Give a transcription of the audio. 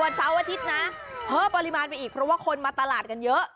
เสาร์อาทิตย์นะเพิ่มปริมาณไปอีกเพราะว่าคนมาตลาดกันเยอะ